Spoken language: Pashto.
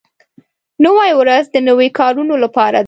نوې ورځ د نویو کارونو لپاره ده